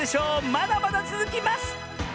まだまだつづきます！